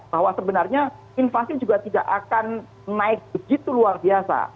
bahwa sebenarnya inflasi juga tidak akan naik begitu luar biasa